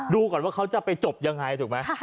ดูก่อนว่าเขาจะไปจบยังไงถูกไหม